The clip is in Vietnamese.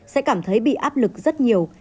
sẽ cảm thấy bị áp lực rất nhiều